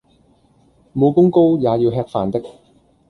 武功高也要吃飯的